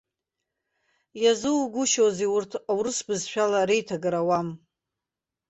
Иазуугәышьозеи, урҭ урыс бызшәала реиҭагара ауам!